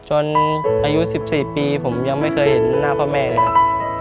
อายุ๑๔ปีผมยังไม่เคยเห็นหน้าพ่อแม่เลยครับ